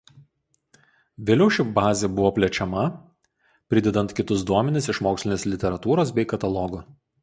Vėliau ši bazė buvo plečiama pridedant kitus duomenis iš mokslinės literatūros bei katalogų.